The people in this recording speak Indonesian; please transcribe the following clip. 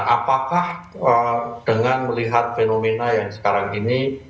apakah dengan melihat fenomena yang sekarang ini